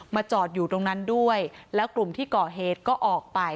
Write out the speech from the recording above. จอดอยู่ตรงนั้นด้วยแล้วกลุ่มที่ก่อเหตุก็ออกไป